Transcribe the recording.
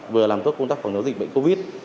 vừa làm tốt công tác phòng chống dịch bệnh covid